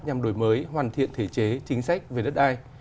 nhằm đổi mới hoàn thiện thể chế chính sách về đất đai